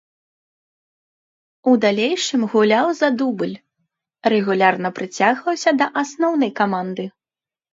У далейшым гуляў за дубль, рэгулярна прыцягваўся да асноўнай каманды.